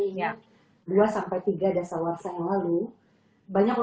nah tantangan yang saya hadapi sebetulnya ada banyak juga sih mbak nisa ya